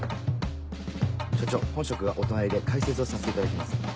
署長本職がお隣で解説をさせていただきます。